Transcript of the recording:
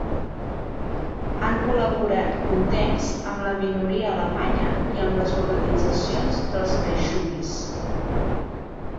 Han col·laborat un temps amb la minoria alemanya i amb les organitzacions dels caixubis.